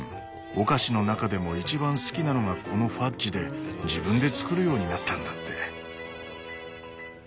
お菓子の中でも一番好きなのがこのファッジで自分で作るようになったんだって。